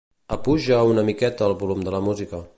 Apuja una miqueta el volum de la música.